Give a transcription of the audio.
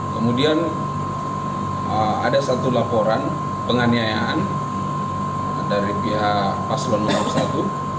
kemudian ada satu laporan penganiayaan dari pihak paslon nomor satu